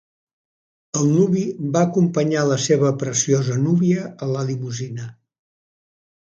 El nuvi va acompanyar la seva preciosa núvia a la limusina.